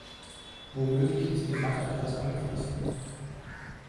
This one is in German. Womöglich ist ihr Macker etwas angefressen.